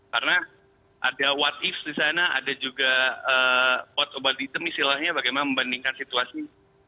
karena ada what if di sana ada juga what about it misalnya bagaimana membandingkan situasi